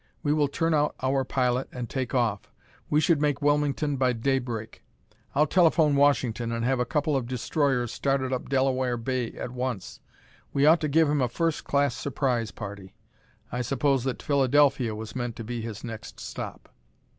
We will turn out our pilot and take off. We should make Wilmington by daybreak. I'll telephone Washington and have a couple of destroyers started up Delaware Bay at once. We ought to give him a first class surprise party. I suppose that Philadelphia was meant to be his next stop."